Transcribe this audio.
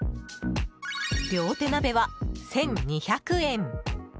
両手鍋は１２００円。